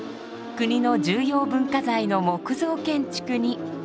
国の重要文化財の木造建築に。